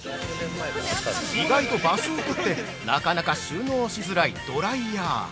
◆意外と場所を取って、なかなか収納しづらいドライヤー。